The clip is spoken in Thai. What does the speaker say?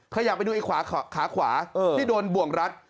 ขยับไปดูอีกขาขวาที่โดนบ่วงรัด